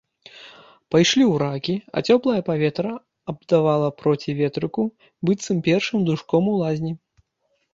Пайшлі ў ракі, а цёплае паветра абдавала проці ветрыку, быццам першым душком у лазні.